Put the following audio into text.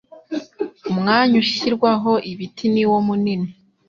umwanya ushyirwaho ibiti niwo Munini